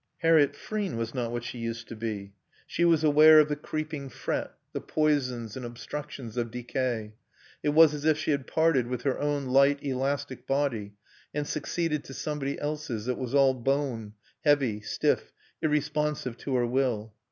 Harriett Frean was not what she used to be. She was aware of the creeping fret, the poisons and obstructions of decay. It was as if she had parted with her own light, elastic body, and succeeded to somebody else's that was all bone, heavy, stiff, irresponsive to her will.